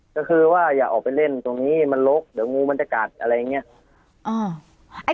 ก็คือว่าอย่าออกไปเล่นตรงนี้มันลกเดี๋ยวงูมันจะกัดอะไรอย่างนี้